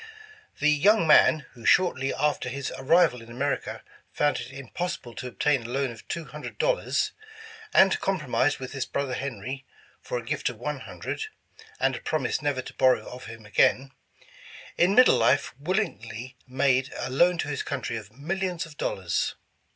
The young man, — who shortly after his arrival in America, found it impossible to obtain a loan of two hundred dollars, and compromised with his brother Henry, for a gift of one hundred, and a prom ise never to borrow of him again, — in middle life will ingly made a loan to his country of millions of dollars.